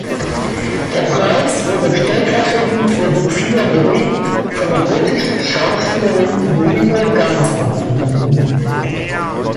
Der Preis wurde stellvertretend für Sophia Loren von der britischen Schauspielerin Greer Garson angenommen.